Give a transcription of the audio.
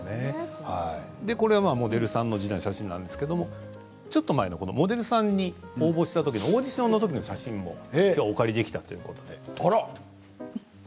モデルさんの時代の写真ですけれど、ちょっと前モデルさんに応募したときのオーディションの写真もお借りできました。